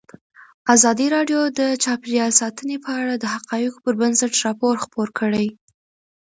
ازادي راډیو د چاپیریال ساتنه په اړه د حقایقو پر بنسټ راپور خپور کړی.